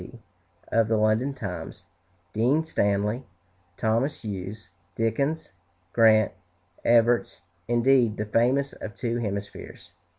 P., of the "London Times," Dean Stanley, Thomas Hughes, Dickens, Grant, Evarts; indeed, the famous of two hemispheres.